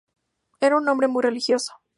Era un hombre muy religioso.